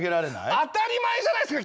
当たり前じゃないっすか！